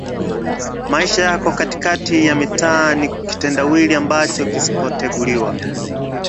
Maisha yao katikati ya mitaa ni kitendawili ambacho kisipoteguliwa